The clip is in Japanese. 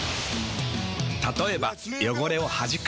たとえば汚れをはじく。